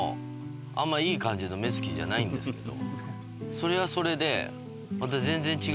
それはそれで。